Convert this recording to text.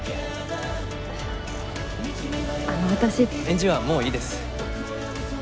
返事はもういいです。